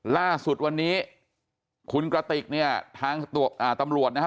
ล่าสุดวันนี้คุณกระติกเนี่ยทางตำรวจนะครับ